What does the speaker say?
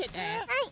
はい。